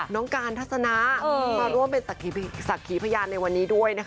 น้องการทัศนะมาร่วมเป็นศักดิ์ขีพยานในวันนี้ด้วยนะคะ